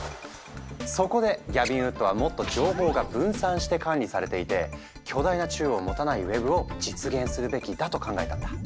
そこでギャビン・ウッドはもっと情報が分散して管理されていて巨大な中央を持たないウェブを実現するべきだと考えたんだ。